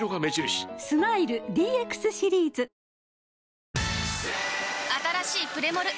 スマイル ＤＸ シリーズ！あたらしいプレモル！